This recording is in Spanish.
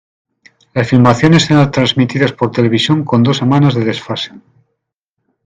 Las filmaciones eran transmitidas por televisión con dos semanas de desfase.